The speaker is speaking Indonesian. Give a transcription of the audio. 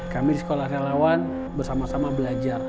kami di sekolah relawan bersama sama belajar